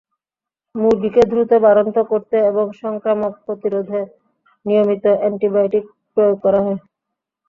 মুরগিকে দ্রুত বাড়ন্ত করতে এবং সংক্রামক প্রতিরোধে নিয়মিত অ্যান্টিবায়োটিক প্রয়োগ করা হয়।